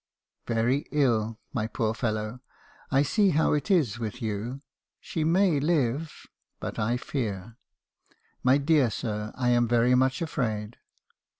"'Very ill. My poor fellow, I see how it is with you. She may live — but I fear. My dear sir, I am very much afraid.'